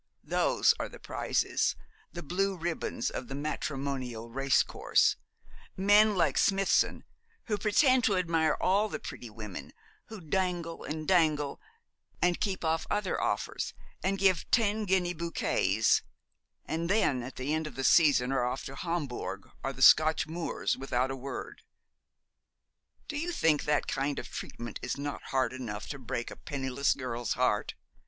Those are the prizes the blue ribbons of the matrimonial race course men like Smithson, who pretend to admire all the pretty women, who dangle, and dangle, and keep off other offers, and give ten guinea bouquets, and then at the end of the season are off to Hombourg or the Scotch moors, without a word. Do you think that kind of treatment is not hard enough to break a penniless girl's heart?